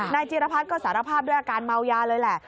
นายจีนภัทรก็สารภาพด้วยอาการเม้ายาเลยแหละ